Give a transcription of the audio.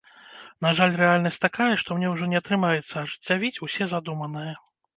На жаль, рэальнасць такая, што мне ўжо не атрымаецца ажыццявіць усе задуманае.